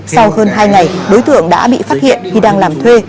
sau hơn hai ngày đối tượng đã bị phát hiện khi đang làm thuê